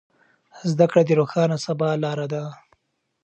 زده کړه د روښانه سبا لاره ده.